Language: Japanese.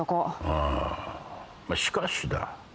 ああしかしだ。